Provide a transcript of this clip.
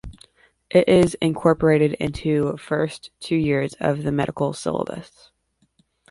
It is incorporated into first two years of the medical syllabus.